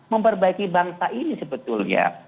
memperbaiki bangsa ini sebetulnya